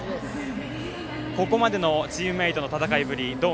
ここまでのチームメートの戦いぶり